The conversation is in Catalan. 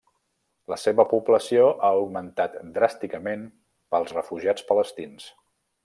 La seva població ha augmentat dràsticament pels refugiats palestins.